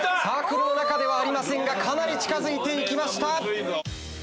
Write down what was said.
サークルの中ではありませんがかなり近づいていきました。